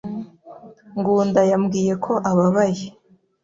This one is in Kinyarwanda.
Ngunda yambwiye ko ababaye.